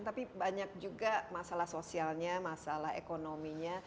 tapi banyak juga masalah sosialnya masalah ekonominya